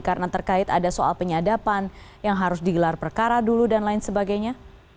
karena terkait ada soal penyadapan yang harus digelar perkara dulu dan lain sebagainya